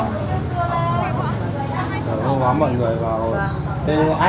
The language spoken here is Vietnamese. không nói nào còn em